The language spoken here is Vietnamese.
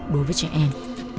đối với trẻ em